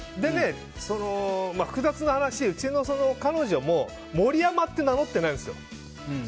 複雑な話、うちの彼女も森山って名乗ってないんですよ。